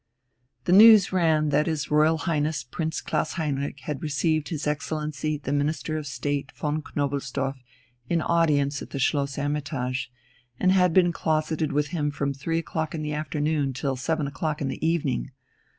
The news ran that his Royal Highness Prince Klaus Heinrich had received his Excellency the Minister of State von Knobelsdorff in audience at the Schloss "Hermitage," and had been closeted with him from three o'clock in the afternoon till seven o'clock in the evening.